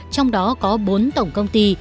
trong đó có bốn tổng công ty